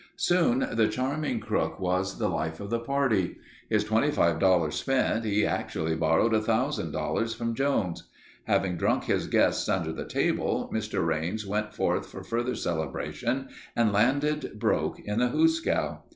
Soon the charming crook was the life of the party. His $25 spent, he actually borrowed $1000 from Jones. Having drunk his guests under the table, Mr. Raines went forth for further celebration and landed broke in the hoosegow.